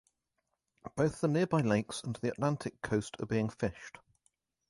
Both the nearby lakes and the Atlantic coast are being fished.